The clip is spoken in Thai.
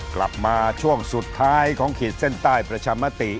กลับมาช่วงสุดท้ายของขีดเส้นใต้ประชามติ